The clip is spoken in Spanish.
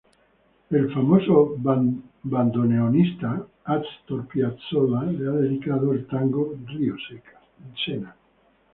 El famoso bandoneonista Astor Piazzolla le ha dedicado el tango "Río Sena".